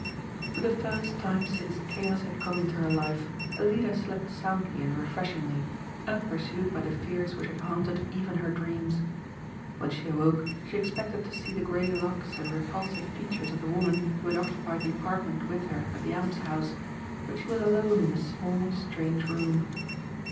'" For the first time since chaos had come into her life Alida slept soundly and refreshingly, unpursued by the fears which had haunted even her dreams. When she awoke she expected to see the gray locks and repulsive features of the woman who had occupied the apartment with her at the almshouse, but she was alone in a small, strange room.